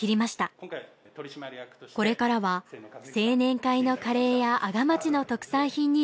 これからは青年会のカレーや阿賀町の特産品に人生をかけます。